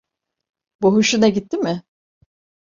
Bu hoşuna gitti mi?